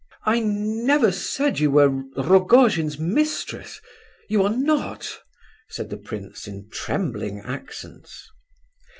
"I never said you were Rogojin's mistress—you are not!" said the prince, in trembling accents.